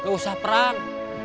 nggak usah perang